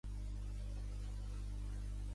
Price i Dorothy Stange.